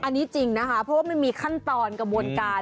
อันนี้จริงนะคะเพราะว่ามันมีขั้นตอนกระบวนการ